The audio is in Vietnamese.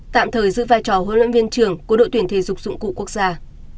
tạm thời giữ vai trò huấn luyện viên trưởng của đội tuyển thể dục dụng cụ quốc gia